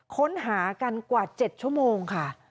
ค้นหากันกว่า๗ชั่วโมงค่ะ